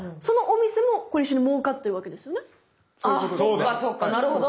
あそうかそうかなるほど。